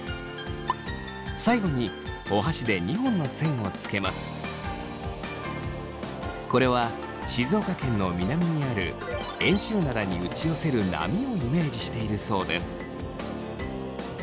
最後にこれは静岡県の南にある遠州灘に打ち寄せる波をイメージしているそうです。